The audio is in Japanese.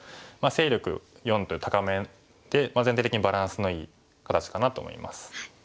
勢力４という高めで全体的にバランスのいい形かなと思います。